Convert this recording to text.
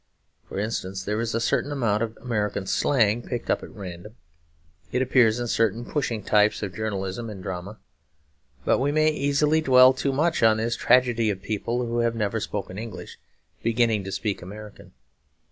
For instance, there is a certain amount of American slang picked up at random; it appears in certain pushing types of journalism and drama. But we may easily dwell too much on this tragedy; of people who have never spoken English beginning to speak American.